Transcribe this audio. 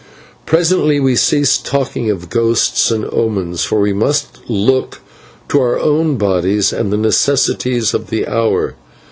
Presently we ceased talking of ghosts and omens, for we must look to our own bodies and the necessities of the hour.